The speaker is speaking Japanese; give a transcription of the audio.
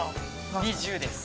◆２０です。